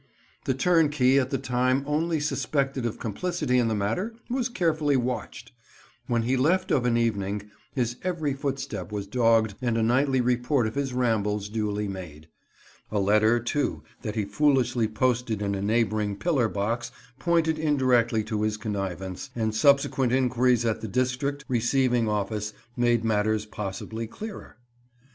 The turnkey, at the time only suspected of complicity in the matter, was carefully watched. When he left of an evening his every footstep was dogged, and a nightly report of his rambles duly made. A letter, too, that he foolishly posted in a neighbouring pillar box pointed indirectly to his connivance, and subsequent inquiries at the district receiving office made matters possibly clearer.